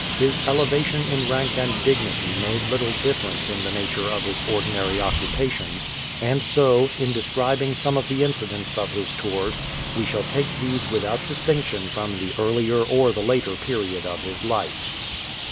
His elevation in rank and dignity made little difference in the nature of his ordinary occupations, and so, in describing some of the incidents of his tours, we shall take these without distinc tion from the earlier or the later period of his life.